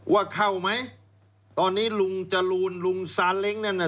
ว่าเข้าไหมตอนนี้ลุงจรูนลุงซานเล้งนั่นน่ะ